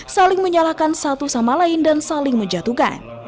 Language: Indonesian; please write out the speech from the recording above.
saling menyalahkan satu sama lain dan saling menjatuhkan